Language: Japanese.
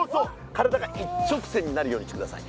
体が一直線になるようにしてください。